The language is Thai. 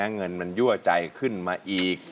เงินมันยั่วใจขึ้นมาอีก